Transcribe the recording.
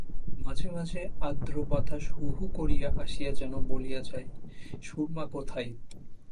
মাঝে মাঝে আর্দ্র বাতাস হুহু করিয়া আসিয়া যেন বলিয়া যায়, সুরমা কোথায়!